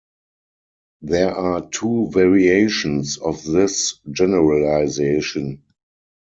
There are two variations of this generalization.